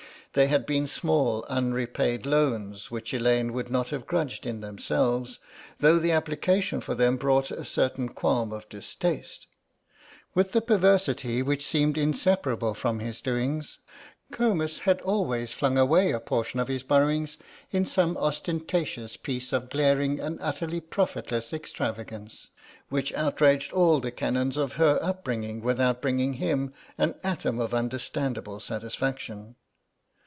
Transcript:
There had been small unrepaid loans which Elaine would not have grudged in themselves, though the application for them brought a certain qualm of distaste; with the perversity which seemed inseparable from his doings, Comus had always flung away a portion of his borrowings in some ostentatious piece of glaring and utterly profitless extravagance, which outraged all the canons of her upbringing without bringing him an atom of understandable satisfaction.